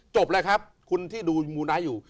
จบแล้วคุณที่ดูมูน้ายอยู่